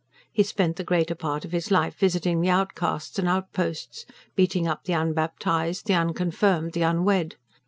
He spent the greater part of his life visiting the outcasts and outposts, beating up the unbaptised, the unconfirmed, the unwed.